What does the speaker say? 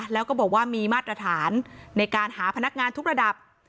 แล้วก็บอกว่ามีมาตรฐานในการหาพนักงานทุกระดับ